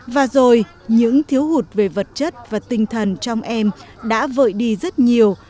và rồi những thiếu hụt về vật chất và tinh thần trong em đã vội đi rất nhiều